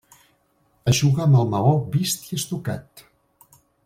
Es juga amb el maó vist i estucat.